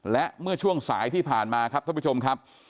และเมื่อช่วงสายที่ผ่านมาครับท่านผู้ชมครับ